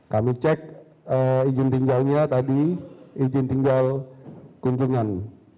kami cek izin tinggalnya tadi izin tinggal kunjungan